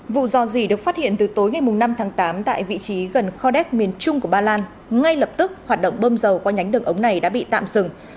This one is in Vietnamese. vụ dò dỉ được phát hiện từ tối ngày năm tháng tám tại vị trí gần khodek miền trung của ba lan ngay lập tức hoạt động bơm dầu qua nhánh đường ống này đã bị tạm dừng